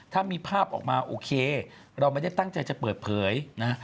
ถ้ามีภาพออกมาโอเคเราไม่ได้ตั้งใจจะเปิดเผยนะ